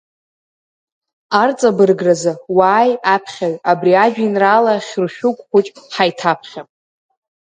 Арҵабыргразы, уааи, аԥхьаҩ абри ажәеинраала хьыршәыгә хәыҷ ҳаиҭаԥхьап…